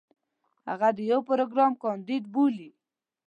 هغه د يو پروګرام کانديد بولي.